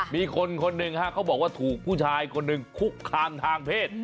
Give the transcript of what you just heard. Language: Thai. มีคนคนหนึ่งฮะเขาบอกว่าถูกผู้ชายคนหนึ่งคุกคามทางเพศ